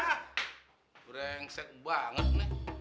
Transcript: ah berangsek banget nih